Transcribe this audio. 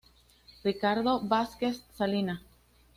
Ricardo Vázquez Salinas.